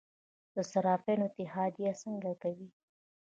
د صرافانو اتحادیه څه کوي؟